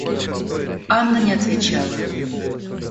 Анна не отвечала.